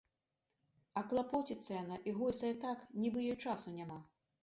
А клапоціцца яна і гойсае так, нібы ёй часу няма.